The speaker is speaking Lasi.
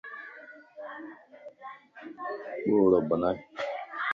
ٻوڙ بنائي